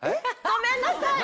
ごめんなさい。